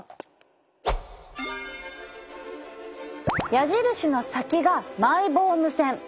矢印の先がマイボーム腺。